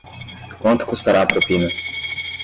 Quanto custará a propina?